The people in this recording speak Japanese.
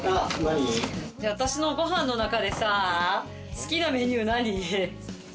私のご飯の中でさ、好きなメニュー何？